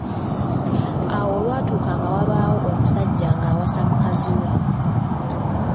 Awo olwatuuka nga wabaawo omusajja ng’awasa mukazi we.